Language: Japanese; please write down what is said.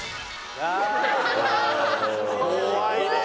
怖いね。